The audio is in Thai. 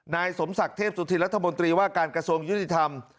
นายสมศักดิ์เทพสุธินรัฐมนตรีว่าการกระทรวงยุติธรรม